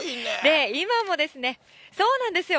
今もですね、そうなんですよ。